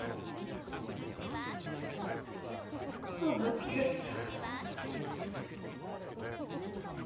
そんな気がして。